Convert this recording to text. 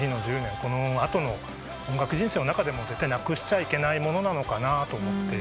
この後の音楽人生の中でも絶対なくしちゃいけないものなのかなと思って。